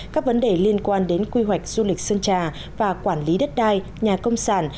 các vấn đề liên quan đến quy hoạch du lịch sơn trà và quản lý đất đai nhà công sản